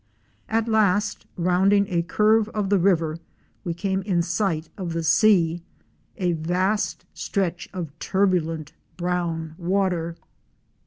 At last, rounding a curve of the river we came in sight of the sea—a vast stretch of turbulent brown water.